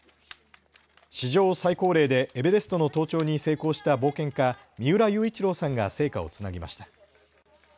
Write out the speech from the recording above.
史上最高齢でエベレストの登頂に成功した冒険家、三浦雄一郎さんが聖火をつなぎました。